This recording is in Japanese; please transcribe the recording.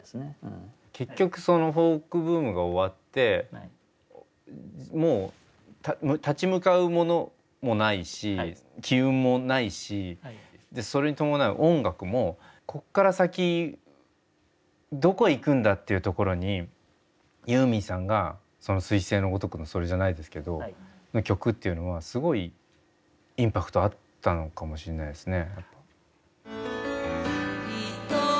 結局フォークブームが終わってもう立ち向かうものもないし機運もないしそれに伴う音楽もこっから先どこ行くんだっていうところにユーミンさんがすい星のごとくのそれじゃないですけど曲っていうのはすごいインパクトあったのかもしんないですね。